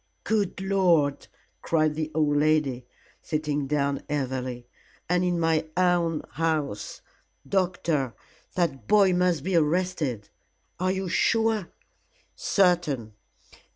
"Good Lord!" cried the old lady, sitting down heavily, "and in my own house. Doctor, that boy must be arrested. Are you sure?" "Certain.